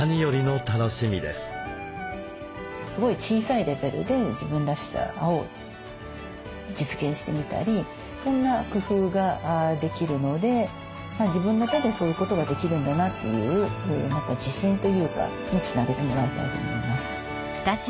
すごい小さいレベルで自分らしさを実現してみたりそんな工夫ができるので自分の手でそういうことができるんだなという自信というかにつなげてもらいたいと思います。